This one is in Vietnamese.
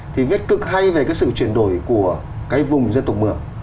thì viết cực hay về cái sự chuyển đổi của cái vùng dân tộc mường